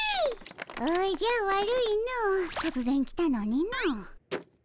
おじゃ悪いのとつぜん来たのにの。